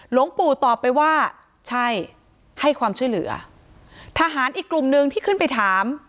หลวงปู่ตอบไปว่าใช่ให้ความช่วยเหลือทหารอีกกลุ่มหนึ่งที่ขึ้นไปถาม